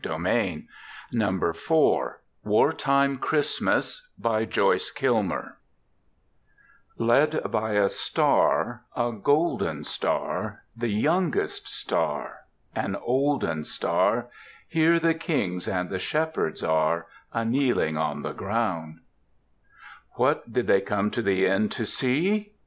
POEMS AT HOME WARTIME CHRISTMAS LED by a star, a golden star, The youngest star, an olden star, Here the kings and the shepherds are, Akneeling on the ground. What did they come to the inn to see?